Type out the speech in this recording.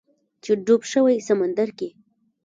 چې ډوب شوی سمندر کې